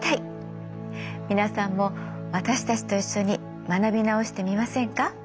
皆さんも私たちと一緒に学び直してみませんか？